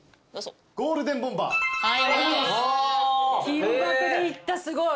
金爆でいったすごい。